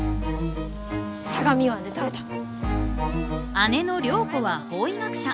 姉の涼子は法医学者。